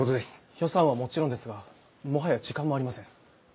予算はもちろんですがもはや時間もありません。